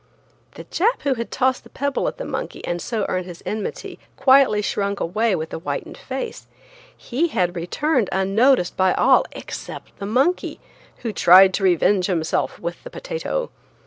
The Jap who had tossed the pebble at the monkey, and so earned his enmity, quietly shrunk away with a whitened face. He had returned unnoticed by all except the monkey, who tried to revenge himself with the potato.